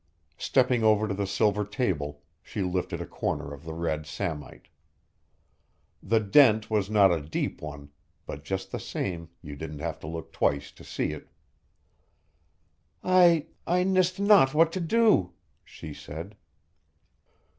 Stepping over to the silver table, she lifted a corner of the red samite. The dent was not a deep one, but just the same you didn't have to look twice to see it. "I ... I nyst not what to do," she said.